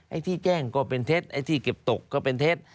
ไอ้ที่แจ้งก็เป็นเท็จไอ้ที่เก็บตกก็เป็นเท็จ